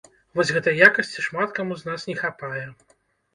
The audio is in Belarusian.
Вось гэтай якасці шмат каму з нас не хапае.